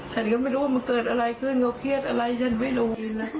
ฉันก็ไม่รู้ว่ามันเกิดอะไรขึ้นเขาเครียดอะไรฉันไม่รู้นะ